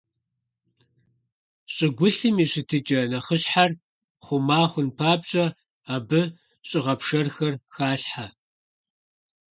ЩӀыгулъым а и щытыкӀэ нэхъыщхьэр хъума хъун папщӀэ, абы щӀыгъэпшэрхэр халъхьэ.